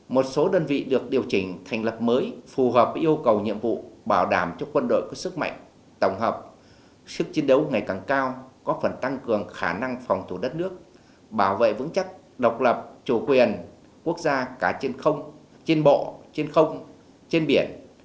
một số đơn vị được điều chỉnh thành lập mới phù hợp với yêu cầu nhiệm vụ bảo đảm cho quân đội có sức mạnh tổng hợp sức chiến đấu ngày càng cao có phần tăng cường khả năng phòng thủ đất nước bảo vệ vững chắc độc lập chủ quyền quốc gia cả trên không trên bộ trên không trên biển